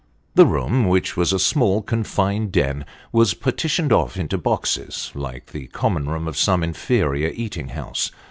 The room which was a small, confined den was partitioned oft' into boxes, like the common room of some inferior eating house.